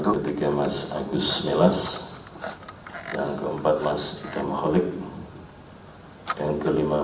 ketiga mas agus milas yang keempat mas dita moholik yang kelima